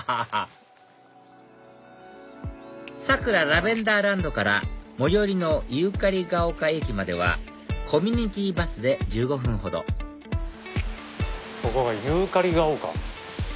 ラベンダーランドから最寄りのユーカリが丘駅まではコミュニティーバスで１５分ほどここがユーカリが丘。